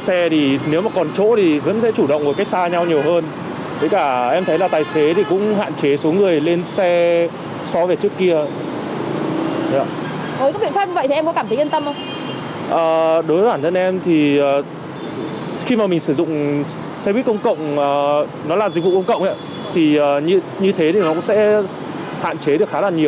xe buýt công cộng là dịch vụ công cộng như thế thì nó sẽ hạn chế được khá là nhiều đối với tình trạng dịch như hiện nay